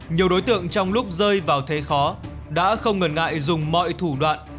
nhiều đối tượng trong lúc rơi vào thế khó đã không ngần ngại dùng mọi thủ đoạn